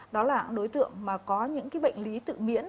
đó là những đối tượng mà có những bệnh lý tự miễn